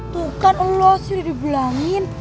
tuh kan lo sih udah dibilangin